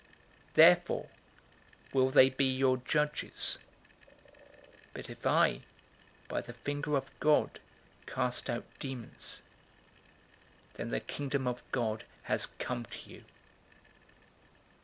Therefore will they be your judges. 011:020 But if I by the finger of God cast out demons, then the Kingdom of God has come to you.